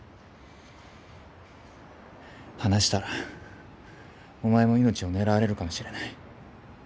話したらお前も命を狙われるかもしれない。